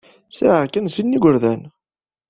Sɛiɣ kan sin n yigerdan.